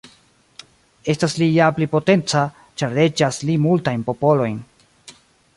Estas li ja pli potenca, ĉar reĝas li multajn popolojn.